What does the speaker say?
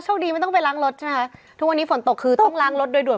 ดีไม่ต้องไปล้างรถใช่ไหมคะทุกวันนี้ฝนตกคือต้องล้างรถโดยด่